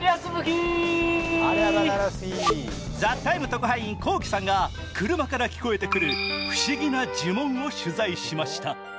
特派員、ＫＯＫＩさんが車から聞こえてくる不思議な呪文を取材しました。